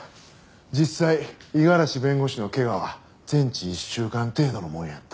実際五十嵐弁護士の怪我は全治１週間程度のものやった。